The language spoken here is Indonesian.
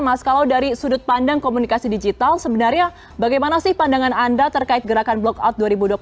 mas kalau dari sudut pandang komunikasi digital sebenarnya bagaimana pandangan anda terkait gerakan blockout dua ribu dua puluh empat